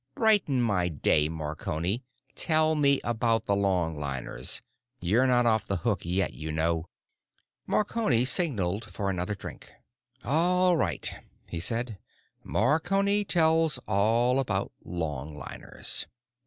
Brighten my day, Marconi; tell me about the longliners. You're not off the hook yet, you know." Marconi signaled for another drink. "All right," he said. "Marconi tells all about longliners.